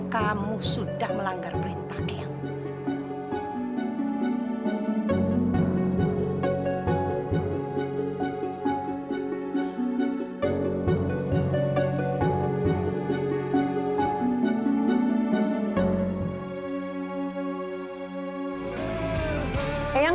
kamu sudah melanggar perintah gilang